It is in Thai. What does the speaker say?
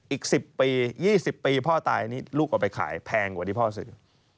อีก๑๐ปี๒๐ปีพ่อตายนี่ลูกเอาไปขายแพงกว่าที่พ่อซื้อ